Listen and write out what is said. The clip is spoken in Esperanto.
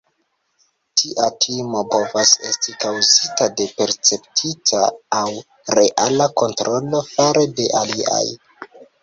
Tia timo povas esti kaŭzita de perceptita aŭ reala kontrolo fare de aliaj.